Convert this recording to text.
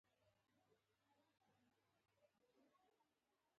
هغه له همدې امله مړ شو.